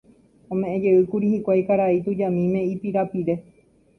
Ome'ẽjeýkuri hikuái karai tujamíme ipirapire